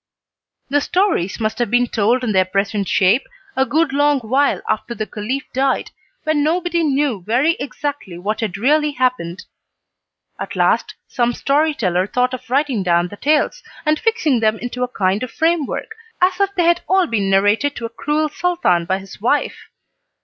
The stories must have been told in their present shape a good long while after the Caliph died, when nobody knew very exactly what had really happened. At last some storyteller thought of writing down the tales, and fixing them into a kind of framework, as if they had all been narrated to a cruel Sultan by his wife.